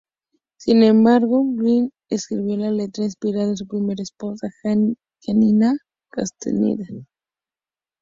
Sin embargo Weiland escribió la letra inspirado en su primera esposa, Janina Castaneda.